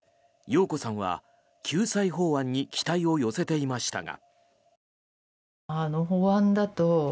容子さんは救済法案に期待を寄せていましたが。